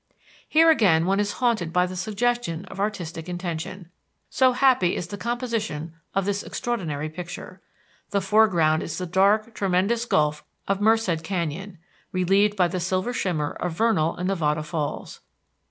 Here again one is haunted by the suggestion of artistic intention, so happy is the composition of this extraordinary picture. The foreground is the dark, tremendous gulf of Merced Canyon, relieved by the silver shimmer of Vernal and Nevada Falls.